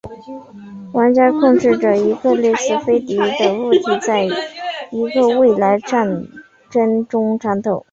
玩家控制着一个类似飞碟的物体在一个未来战场中战斗。